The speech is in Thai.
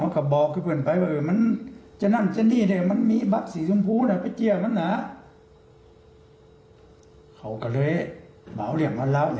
ก็บอกเนี่ยเปล่านะมันจะนั่นจะนี่เนี่ย